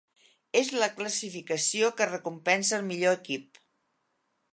És la classificació que recompensa el millor equip.